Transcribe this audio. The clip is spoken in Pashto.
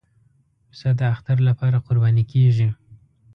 پسه د اختر لپاره قرباني کېږي.